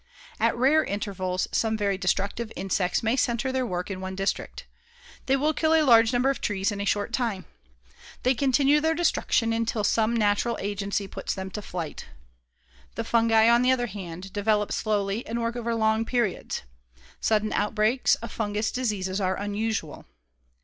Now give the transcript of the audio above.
At rare intervals, some very destructive insects may centre their work in one district. They will kill a large number of trees in a short time. They continue their destruction until some natural agency puts them to flight. The fungi, on the other hand, develop slowly and work over long periods. Sudden outbreaks of fungous diseases are unusual.